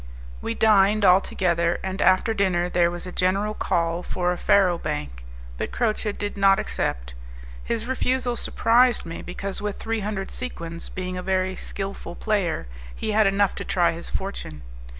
We dined all together, and after dinner there was a general call for a faro bank; but Croce did not accept. His refusal surprised me, because with three hundred sequins, being a very skilful player, he had enough to try his fortune.